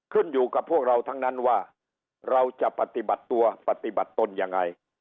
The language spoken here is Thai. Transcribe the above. ขึ้นอยู่กับพวกเราทั้งนั้นว่าเราจะปฏิบัติตัวปฏิบัติตนยังไง